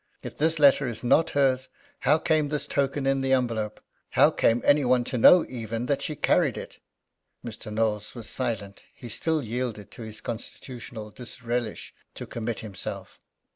If this letter is not hers, how came this token in the envelope? How came any one to know, even, that she carried it?" Mr. Knowles was silent. He still yielded to his constitutional disrelish to commit himself.